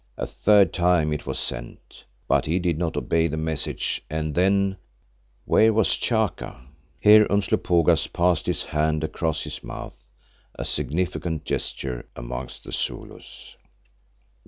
A third time it was sent, but he did not obey the message and then—where was Chaka?" Here Umslopogaas passed his hand across his mouth, a significant gesture amongst the Zulus.